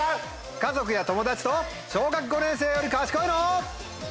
家族や友達と小学５年生より賢いの？